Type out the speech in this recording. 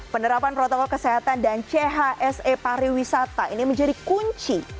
penerapan protokol kesehatan dan chse pariwisata ini menjadi kunci